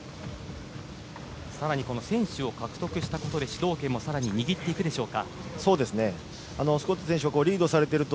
更に先取も獲得したことで主導権も更に握っていくでしょうか？